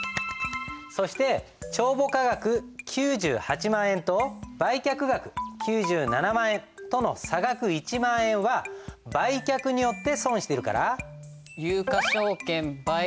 そして帳簿価額９８万円と売却額９７万円との差額１万円は売却によって損してるから。